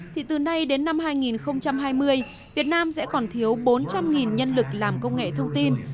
thì từ nay đến năm hai nghìn hai mươi việt nam sẽ còn thiếu bốn trăm linh nhân lực làm công nghệ thông tin